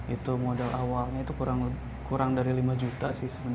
itu modal awalnya itu kurang dari lima juta sih sebenarnya